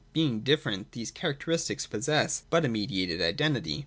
Being different, these characteristics possess but a mediated identity.